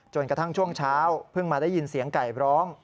กระทั่งช่วงเช้าเพิ่งมาได้ยินเสียงไก่ร้อง